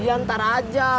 iya ntar aja